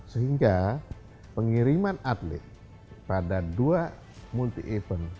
sehingga pengiriman atlet pada dua multi event